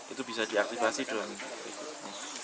itu bisa diaktifasi doang